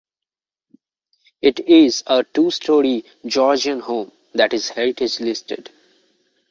It is a two-storey Georgian home that is heritage-listed.